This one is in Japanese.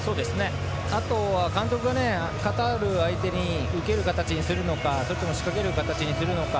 あとは監督がカタール相手に受ける形にするのかそれとも仕掛ける形にするのか